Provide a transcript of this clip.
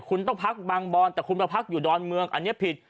คุณต้องพักบางบอนแต่คุณมาพักอยู่ดอนเมืองอันนี้ผิด